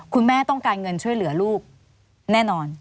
คุณแม่ต้องการเงินช่วยเหลือลูกแน่นอน